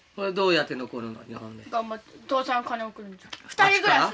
２人暮らし。